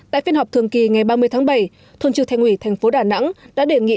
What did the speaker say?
tại phiên họp thường kỳ ngày ba mươi tháng bảy thuần trưởng thành ủy thành phố đà nẵng đã đề nghị